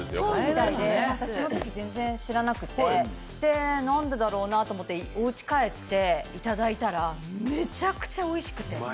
そのとき全然知らなくてなんでだろうなって思っておうち帰っていただいたらめちゃくちゃおいしくて。